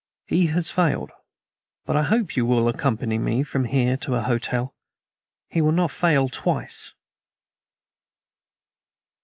He has failed, but I hope you will accompany me from here to a hotel. He will not fail twice."